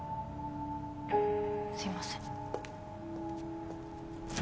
すいません